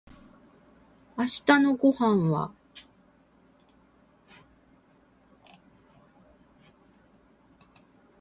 明日のご飯は